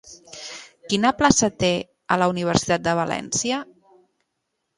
Quina plaça té a la Universitat de València?